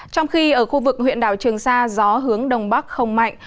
trong khi ở khu vực huyện đảo trường sa gió hướng đông bắc không mạnh